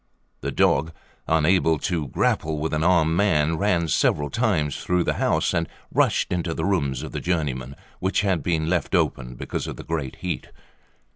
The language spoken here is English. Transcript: The dog, unable to grapple with an armed man, ran several times through the house, and rushed into the rooms of the journeymen, which had been left open because of the great heat.